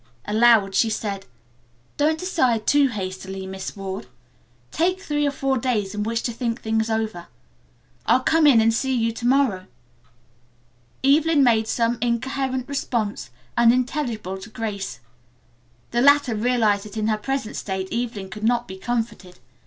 Aloud she said: "Don't decide too hastily, Miss Ward. Take three or four days in which to think things over. I'll come in and see you to morrow." Evelyn made some incoherent response, unintelligible to Grace. The latter realized that in her present state Evelyn could not be comforted.